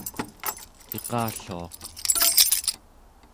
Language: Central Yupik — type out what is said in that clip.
iqalluaq